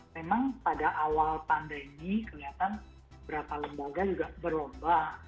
memang pada awal pandemi kelihatan beberapa lembaga juga berlomba